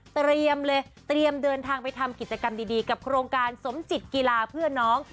เตรียมเลยเตรียมเดินทางไปทำกิจกรรมดีกับโครงการสมจิตกีฬาเพื่อนน้อง